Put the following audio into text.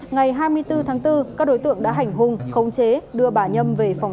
ngày hai mươi bốn tháng bốn các đối tượng đã hành hung khống chế đưa bà nhâm về phòng